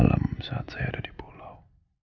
dalam saat saya ada di pulau